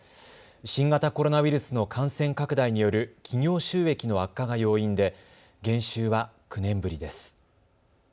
新型コロナウイルスの感染拡大による企業収益の悪化が要因で減収は９年ぶりです。